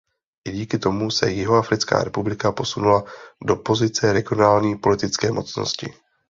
I díky tomu se Jihoafrická republika posunula do pozice regionální politické mocnosti.